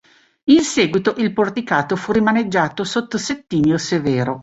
In seguito il porticato fu rimaneggiato sotto Settimio Severo.